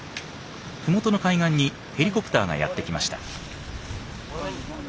麓の海岸にヘリコプターがやって来ました。